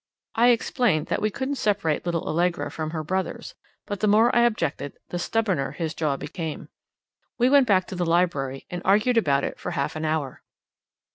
I explained that we couldn't separate little Allegra from her brothers; but the more I objected, the stubborner his jaw became. We went back to the library, and argued about it for half an hour.